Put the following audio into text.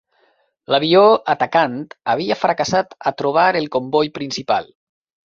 L'avió atacant havia fracassat a trobar el comboi principal.